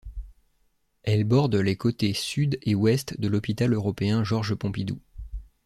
Elle borde les côtés sud et ouest de l'hôpital européen Georges-Pompidou.